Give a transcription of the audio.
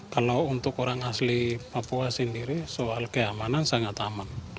kalau untuk orang asli papua sendiri soal keamanan sangat aman